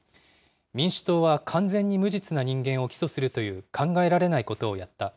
民主党は完全に無実な人間を起訴するという考えられないことをやった。